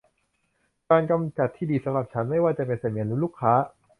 การกำจัดที่ดีสำหรับฉัน ไม่ว่าจะเป็นเสมียนหรือลูกค้า